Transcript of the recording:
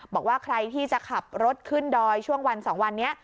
บอกว่าใครที่จะขับรถขึ้นดอยช่วงวัน๒วันนี้